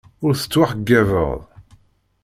Ur tettwaxeyyabeḍ.